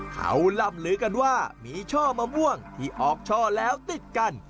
เขาล่ำลือกันว่ามีช่อมะม่วงที่ออกช่อแล้วติดกัน